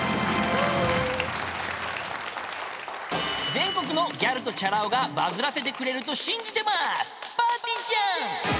［全国のギャルとチャラ男がバズらせてくれると信じてます］